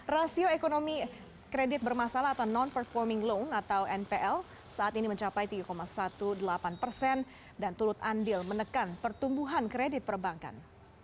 rasio ekonomi kredit bermasalah atau non performing loan atau npl saat ini mencapai tiga delapan belas persen dan turut andil menekan pertumbuhan kredit perbankan